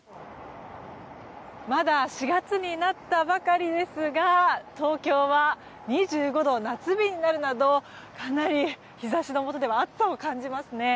まだ４月になったばかりですが東京は２５度、夏日になるなどかなり日差しのもとでは暑さを感じますね。